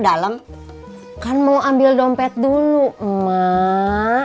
dalam kan mau ambil dompet dulu emak